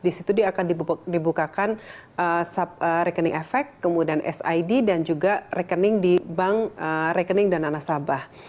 di situ dia akan dibukakan rekening efek kemudian sid dan juga rekening di bank rekening dan nasabah